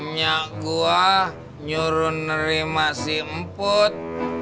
nyak gue nyuruh nerima si emput